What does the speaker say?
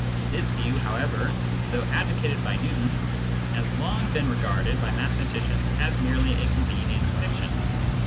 This view, however, though advocated by Newton, has long been regarded by mathematicians as merely a convenient fiction.